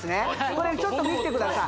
これちょっと見てください